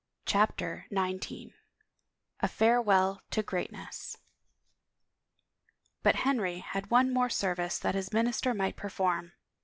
CHAPTER XIX A FAREWELL TO GREATNESS ©UT Henry had one more service that his minis ter might perform.